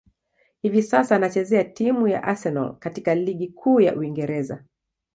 Hivi sasa, anachezea timu ya Arsenal katika ligi kuu ya Uingereza.